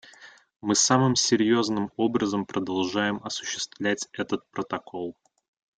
Мы самым серьезным образом продолжаем осуществлять этот Протокол.